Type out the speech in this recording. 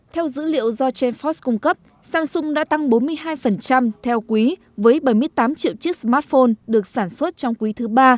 theo dữ liệu do trendfox cung cấp samsung đã tăng bốn mươi hai theo quý với bảy mươi tám triệu chiếc smartphone được sản xuất trong quý iii